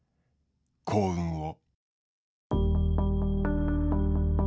幸運を。